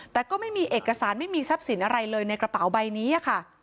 แต่ก็ไม่มีเอกสารไม่มีทรัพย์สินอะไรเลยในกระเป๋าใบนี้ค่ะ